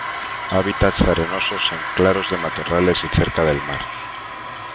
Hábitats arenosos, en claros de matorrales y cerca del mar.